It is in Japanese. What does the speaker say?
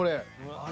あれ？